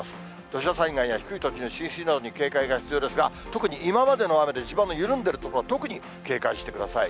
土砂災害や低い土地の浸水などに警戒が必要ですが、特に今までの雨で、地盤の緩んでいる所、特に警戒してください。